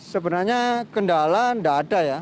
sebenarnya kendala tidak ada ya